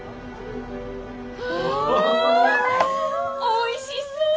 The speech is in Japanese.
おいしそう！